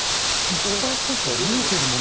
１％？見えてるものが？